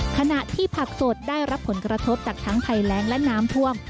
ขณะที่ผักสดได้รับผลกระทบจากทั้งภัยแรงและน้ำท่วม